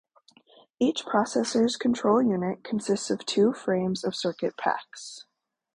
Each processor's control unit consisted of two frames of circuit packs.